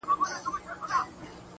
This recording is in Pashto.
ما وتا بېل كړي سره.